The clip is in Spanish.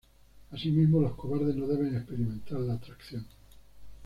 Así mismo, los cobardes no deben experimentar la atracción.